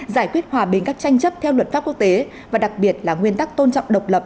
giải quyết hòa bình các tranh chấp theo luật pháp quốc tế và đặc biệt là nguyên tắc tôn trọng độc lập